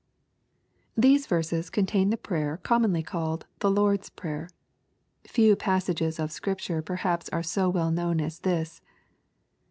These verses contain the prayer commonly called the Lord's Prayer. Few passages of Scripture perhaps are so well known as this.